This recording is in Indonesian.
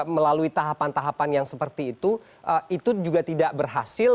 melalui tahapan tahapan yang seperti itu itu juga tidak berhasil